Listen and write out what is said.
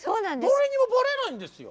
誰にもバレないんですよ。